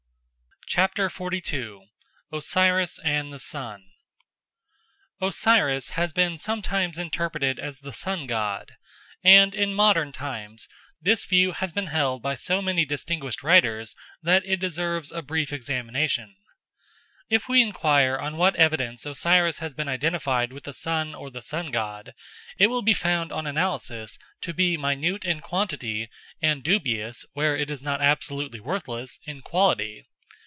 XLII. Osiris and the Sun OSIRIS has been sometimes interpreted as the sun god, and in modern times this view has been held by so many distinguished writers that it deserves a brief examination. If we enquire on what evidence Osiris has been identified with the sun or the sun god, it will be found on analysis to be minute in quantity and dubious, where it is not absolutely worthless, in quality.